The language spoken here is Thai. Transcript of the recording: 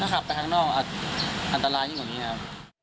ขับไปข้างนอกอันตรายยิ่งกว่านี้นะครับ